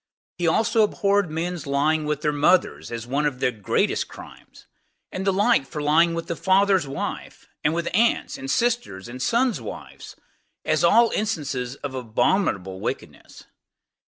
He also abhorred men's lying with their mothers, as one of the greatest crimes; and the like for lying with the father's wife, and with aunts, and sisters, and sons' wives, as all instances of abominable wickedness.